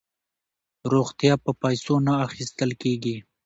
روغتیا په پیسو نه اخیستل کیږي.